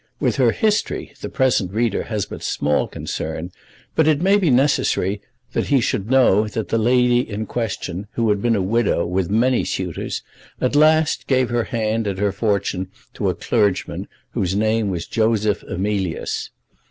With her history the present reader has but small concern, but it may be necessary that he should know that the lady in question, who had been a widow with many suitors, at last gave her hand and her fortune to a clergyman whose name was Joseph Emilius.